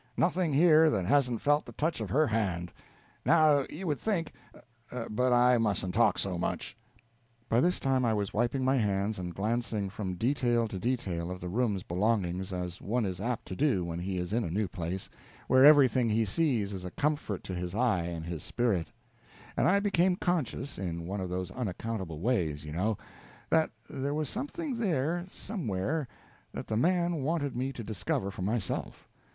Nothing here that hasn't felt the touch of her hand. Now you would think But I mustn't talk so much." By this time I was wiping my hands and glancing from detail to detail of the room's belongings, as one is apt to do when he is in a new place, where everything he sees is a comfort to his eye and his spirit; and I became conscious, in one of those unaccountable ways, you know, that there was something there somewhere that the man wanted me to discover for myself.